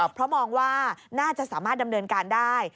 เพราะมองว่าน่าจะสามารถดำเนินการได้